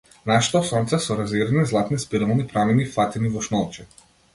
Нашето сонце, со разиграни златни спирални прамени, фатени во шнолче.